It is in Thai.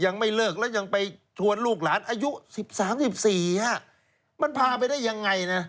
ยังไม่เลิกแล้วยังไปชวนลูกหลานอายุ๑๓๑๔ฮะมันพาไปได้ยังไงนะ